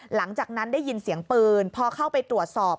หลังจากนั้นได้ยินเสียงปืนพอเข้าไปตรวจสอบ